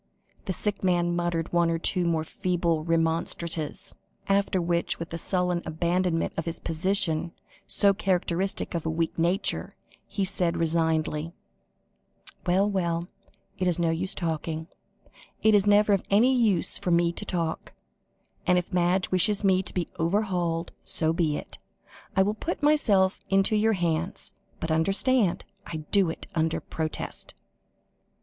The sick man muttered one or two more feeble remonstrances, after which, with the sudden abandonment of his position, so characteristic of a weak nature, he said resignedly: "Well, well, it is no use talking it is never of any use for me to talk and if Madge wishes me to be overhauled, so be it. I will put myself into your hands, but, understand, I do it under protest."